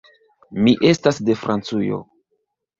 Mi estas de Francujo.